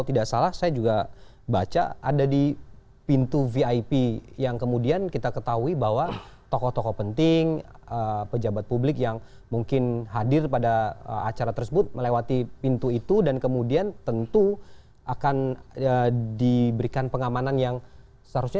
jurnalis jurnalis indonesia tv dipaksa menghapus gambar yang memperlihatkan adanya keributan yang sempat terjadi di lokasi acara